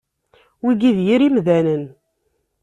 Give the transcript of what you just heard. Wigi d yir imdanen.